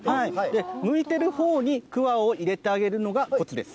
向いているほうにくわを入れてあげるのがこつです。